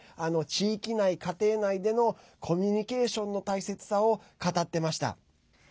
地域内、家庭内でのコミュニケーションの大切さを語ってました。